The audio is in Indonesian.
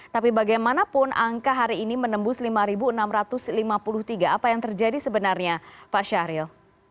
tapi bagaimanapun angka hari ini menembus lima enam ratus lima puluh tiga apa yang terjadi sebenarnya pak syahril